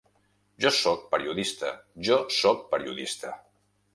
Jo sóc periodista, jo sóc periodista!